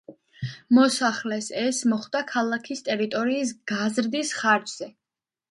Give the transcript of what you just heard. მოსახლეს, ეს მოხდა ქალაქის ტერიტორიის გაზრდის ხარჯზე.